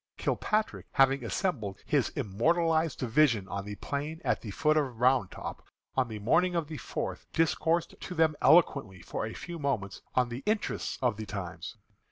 Kilpatrick, having assembled his immortalized division on the plain at the foot of Round Top, on the morning of the fourth, discoursed to them eloquently for a few moments on the interests of the times.